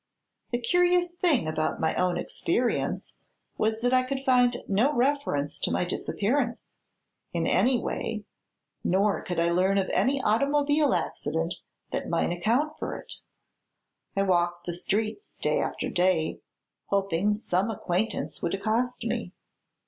The curious thing about my own experience was that I could find no reference to my disappearance, in any way, nor could I learn of any automobile accident that might account for it. I walked the streets day after day, hoping some acquaintance would accost me.